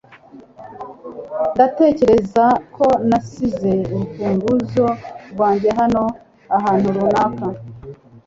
Ndatekereza ko nasize urufunguzo rwanjye hano ahantu runaka .